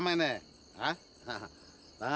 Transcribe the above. nah gini ya nah putarnya